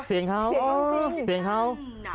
เสียงเขา